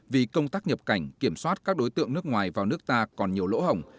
vì công tác nhập cảnh kiểm soát các đối tượng nước ngoài vào nước ta còn nhiều lỗ hồng